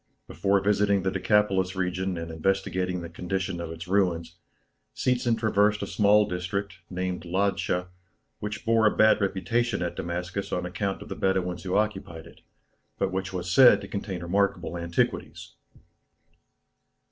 Before visiting the Decapolis region and investigating the condition of its ruins, Seetzen traversed a small district, named Ladscha, which bore a bad reputation at Damascus on account of the Bedouins who occupied it, but which was said to contain remarkable antiquities.